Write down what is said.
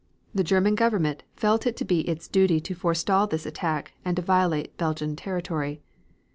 The German Government felt it to be its duty to forestall this attack and to violate Belgian territory.